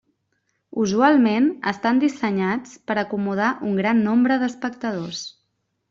Usualment estan dissenyats per acomodar un gran nombre d'espectadors.